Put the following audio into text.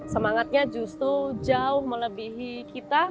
semangatnya justru jauh melebihi kita